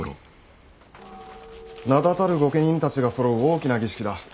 名だたる御家人たちがそろう大きな儀式だ。